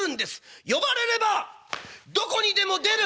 「呼ばれればどこにでも出る！」。